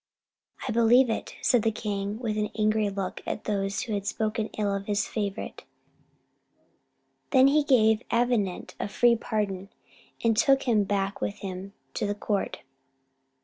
"I believe it," said the king, with an angry look at those who had spoken ill of his favourite; he then gave Avenant a free pardon, and took him back with him to the court.